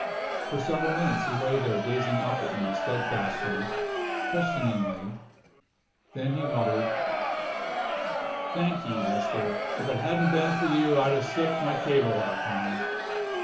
For several minutes he lay there gazing up at me steadfastly, questioningly; then he muttered: "Thank 'e, Mister. If it hadn't been for you I'd have slipped my cable that time.